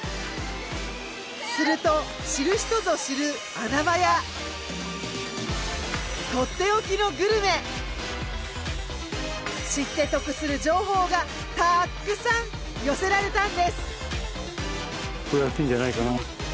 すると知る人ぞ知る穴場や取って置きのグルメ知ってトクする情報がたくさん寄せられたんです。